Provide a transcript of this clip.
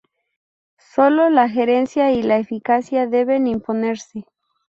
Sólo la gerencia y la eficacia deben imponerse.